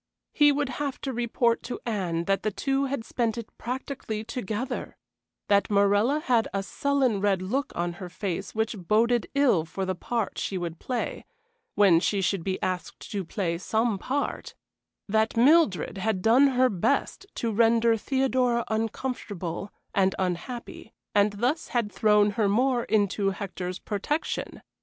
He would have to report to Anne that the two had spent it practically together; that Morella had a sullen red look on her face which boded ill for the part she would play, when she should be asked to play some part; that Mildred had done her best to render Theodora uncomfortable and unhappy, and thus had thrown her more into Hector's protection.